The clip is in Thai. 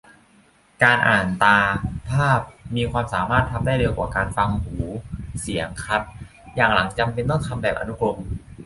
การอ่าน ตา-ภาพ มีความสามารถทำได้เร็วกว่าการฟัง หู-เสียง ครับ - อย่างหลังจำเป็นต้องทำแบบอนุกรม